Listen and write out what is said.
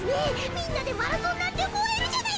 みんなでマラソンなんてもえるじゃないか！